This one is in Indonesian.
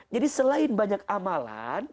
jadi selain banyak amalan